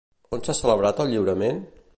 On s'ha celebrat el lliurament?